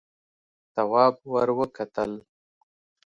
تواب ور وکتل.